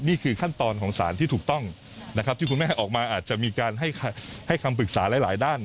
นี่คือขั้นตอนของสารที่ถูกต้องนะครับที่คุณแม่ออกมาอาจจะมีการให้คำปรึกษาหลายด้าน